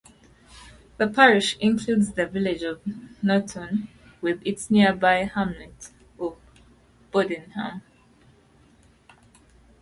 The parish includes the village of Nunton with its nearby hamlet of Bodenham.